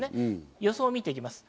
予想を見ていきます。